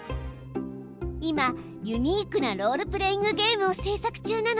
いまユニークなロールプレーイングゲームを制作中なの。